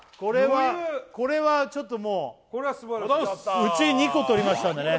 これはちょっともううち２個取りましたんでね